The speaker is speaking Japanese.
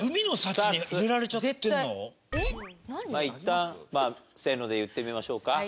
まあいったんせーので言ってみましょうか。